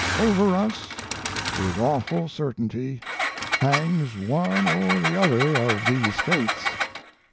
Over us, with awful certainty, hangs one or the other of these fates.